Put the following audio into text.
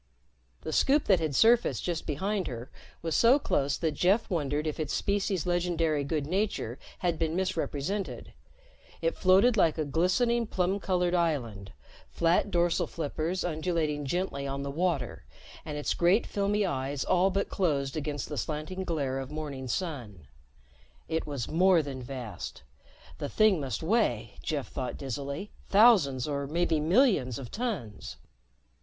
The Scoop that had surfaced just behind her was so close that Jeff wondered if its species' legendary good nature had been misrepresented. It floated like a glistening plum colored island, flat dorsal flippers undulating gently on the water and its great filmy eyes all but closed against the slanting glare of morning sun. It was more than vast. The thing must weigh, Jeff thought dizzily, thousands or maybe millions of tons.